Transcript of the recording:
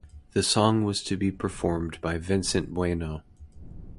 The song was to be performed by Vincent Bueno.